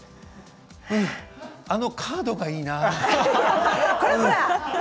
うんあのカードがいいな。